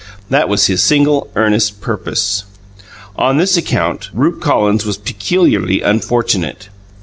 That was his single, earnest purpose. On this account, Rupe Collins was peculiarly unfortunate.